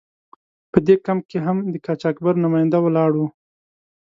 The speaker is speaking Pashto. په دې کمپ کې هم د قاچاقبر نماینده ولاړ و.